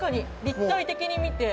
立体的に見て。